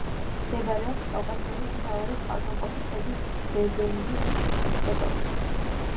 მდებარეობს კავკასიონის მთავარი წყალგამყოფი ქედის ბეზენგის კედელზე.